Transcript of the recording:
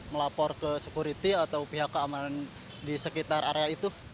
melapor ke sekuriti atau pihak keamanan di sekitar area itu